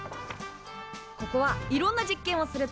ここはいろんな実験をするとこ。